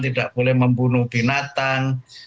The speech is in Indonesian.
tidak boleh membunuh binatang